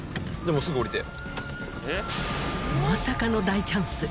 まさかの大チャンス！